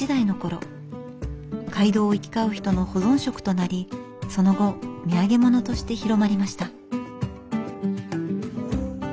街道を行き交う人の保存食となりその後土産物として広まりました。